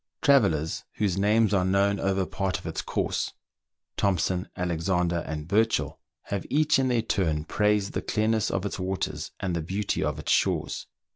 Travellers whose names are known over part of its course, Thompson, Alexander, and Burchell, have each in their turn praised the clearness of its waters, and the beauty of its shores.